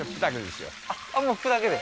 もう拭くだけで？